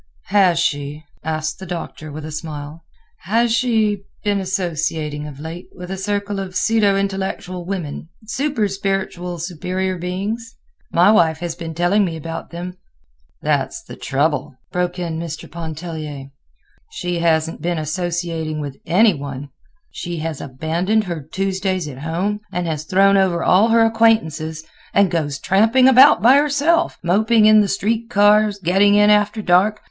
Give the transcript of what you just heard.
_" "Has she," asked the Doctor, with a smile, "has she been associating of late with a circle of pseudo intellectual women—super spiritual superior beings? My wife has been telling me about them." "That's the trouble," broke in Mr. Pontellier, "she hasn't been associating with any one. She has abandoned her Tuesdays at home, has thrown over all her acquaintances, and goes tramping about by herself, moping in the street cars, getting in after dark.